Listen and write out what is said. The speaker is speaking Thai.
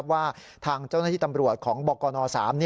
ว่าทางเจ้าหน้าที่ตำรวจของบกน๓